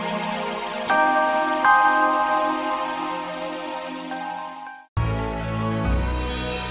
tidak ada yang lebih sakti dariku